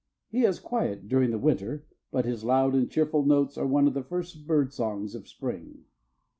He is quiet during the winter, but his loud and cheerful notes are one of the first bird songs of spring.